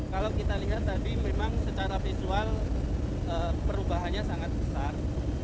kalau kita lihat tadi memang secara visual perubahannya sangat besar